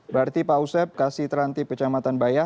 berarti pak ustaz kasih terhenti kecamatan pak ya